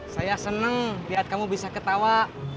saya seneng liat kamu bisa ketawa